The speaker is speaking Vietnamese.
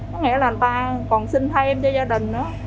nó nghĩa là người ta còn xin thêm cho gia đình nữa